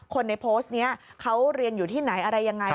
คนในโพสต์นี้เขาเรียนอยู่ที่ไหนอะไรยังไง